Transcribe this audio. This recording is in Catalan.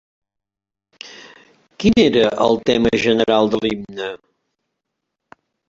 Quin era el tema general de l'himne?